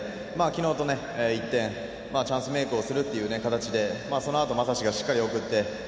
きのうと一転チャンスメークをするっていう形でそのあと将司がしっかりおくって。